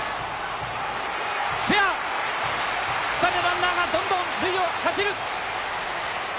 ２人のランナーがどんどん塁を走る！